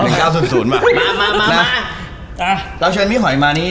อ๋อหนึ่งเก้าศูนย์ศูนย์มามามามามาอ่าเราเชิญพี่หอยมานี้